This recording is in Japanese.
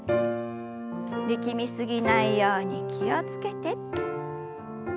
力み過ぎないように気を付けて。